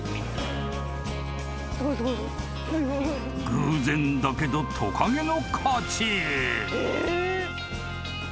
［偶然だけどトカゲの勝ち］